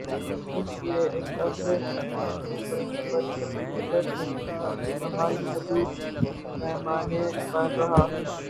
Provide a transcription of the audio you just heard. اس لئے اس عرصے میں پرسنل کمپیوٹر کا استعمال محدود پیمانے پر رہا